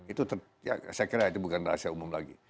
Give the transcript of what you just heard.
itu saya kira itu bukan rahasia umum lagi